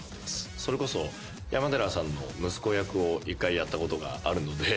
それこそ山寺さんの息子役を１回やったことがあるので。